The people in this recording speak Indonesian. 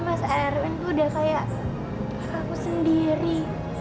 mas erwin tuh udah kayak aku sendiri